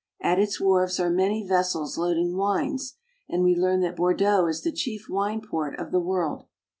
At its wharves are many vessels loading wines, and we learn that Bordeaux is the chief wine port of the world.